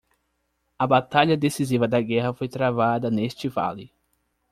A batalha decisiva da guerra foi travada neste vale.